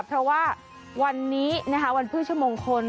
เพราะว่าวันนี้วันพฤชมงคล